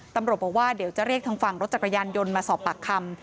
ตำรวจบอกว่าเดี๋ยวจะเรียกทางฝั่งรถจักรยานยนต์มาสอบปากคำ